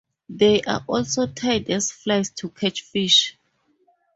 They are also tied as flies to catch fish.